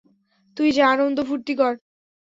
তুই যা, আনন্দ ফুর্তি কর।